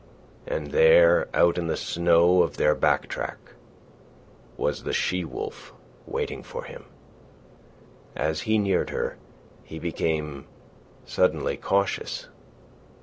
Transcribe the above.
And there, out in the snow of their back track, was the she wolf waiting for him. As he neared her, he became suddenly cautious.